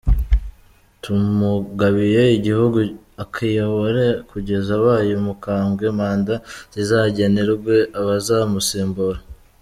Tumugabiye igihugu akiyobore kugeza abaye umukambwe, manda zizagenerwe abazamusimbura…”.